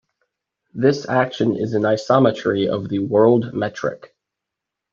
This action is an isometry of the word metric.